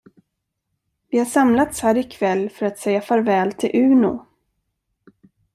Vi har samlats här ikväll för att säga farväl till Uno.